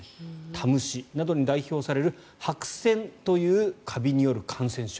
たむしなどに代表される白せんというカビによる感染症。